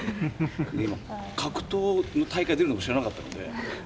今格闘の大会に出ているのも知らなかったので。